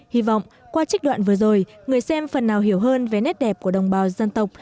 hy vọng qua trích đoạn vừa rồi người xem phần nào hiểu hơn về nét đẹp của đồng bào dân tộc